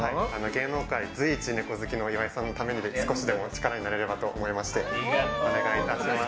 芸能界随一のネコ好きの岩井さんのために少しでも力になれればと思いまして。